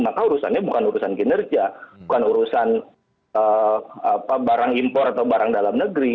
maka urusannya bukan urusan kinerja bukan urusan barang impor atau barang dalam negeri